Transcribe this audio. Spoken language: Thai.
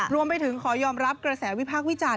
รวมไปถึงขอยอมรับกระแสวิพากษ์วิจารณ